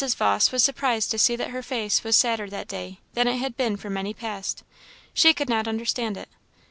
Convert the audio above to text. Vawse was surprised to see that her face was sadder that day than it had been for many past; she could not understand it.